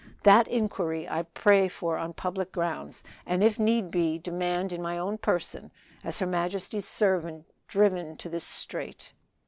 That inquiry I pray for on public grounds, and if need be, demand in my own person, as her majesty's servant driven to this strait.